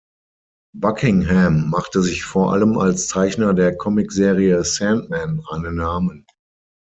Buckingham machte sich vor allem als Zeichner der Comicserie "Sandman" einen Namen.